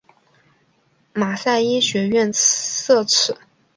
马赛医学院设此。